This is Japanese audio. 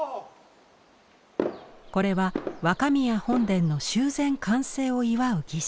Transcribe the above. これは若宮本殿の修繕完成を祝う儀式。